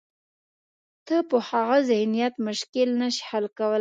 ته په هغه ذهنیت مشکل نه شې حل کولای.